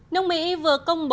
nông mỹ vừa công bố